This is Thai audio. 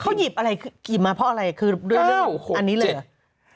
เขาหยิบอะไรหยิบมาเพราะอะไรคือด้วยอันนี้เลยเหรอ